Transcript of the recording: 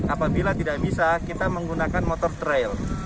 apabila tidak bisa kita menggunakan motor trail